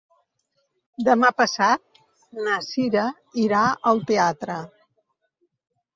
Demà passat na Sira irà al teatre.